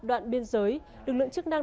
đoạn biên giới lực lượng chức năng